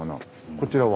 こちらは？